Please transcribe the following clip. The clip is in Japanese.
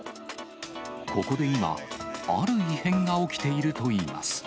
ここで今、ある異変が起きているといいます。